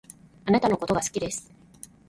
あなたのことが好きです